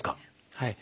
はい。